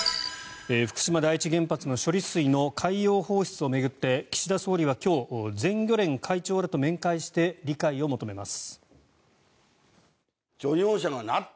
福島第一原発の処理水の海洋放出を巡って岸田総理は今日全漁連会長らと面会して理解を求めます。